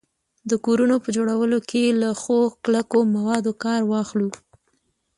د کورونو په جوړولو کي له ښو کلکو موادو کار واخلو